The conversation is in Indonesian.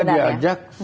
saya nggak diajak